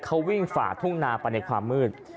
เขาวิ่งฝ่าทุ่งนาไปในความมืด